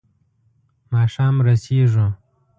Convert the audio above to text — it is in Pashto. ماښام رسېږو.